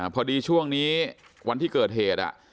พอดีช่วงนี้วันที่เกิดเหตุ